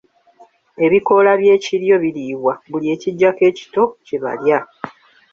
Ebikoola by’ekiryo biriibwa, buli ekijjako ekito kye balya.